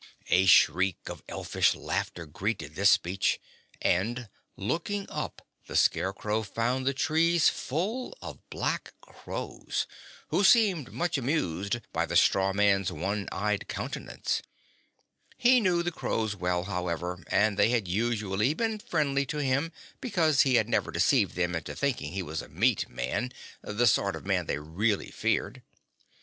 A shriek of elfish laughter greeted this speech and looking up the Scarecrow found the trees full of black crows, who seemed much amused by the straw man's one eyed countenance. He knew the crows well, however, and they had usually been friendly to him because he had never deceived them into thinking he was a meat man the sort of man they really feared.